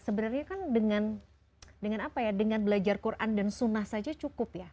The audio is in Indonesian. sebenarnya kan dengan belajar quran dan sunnah saja cukup ya